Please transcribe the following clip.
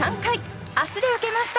足で受けました。